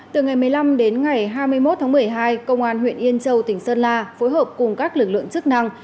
từ ngày một mươi năm đến ngày hai mươi một tháng một mươi hai công an huyện yên châu tỉnh sơn la phối hợp cùng các lực lượng chức năng